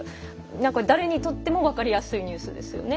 なんか誰にとっても分かりやすいニュースですよね